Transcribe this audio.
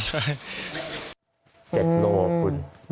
๗กิโลกรัมคุณ